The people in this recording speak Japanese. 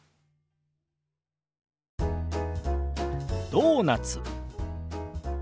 「ドーナツ」。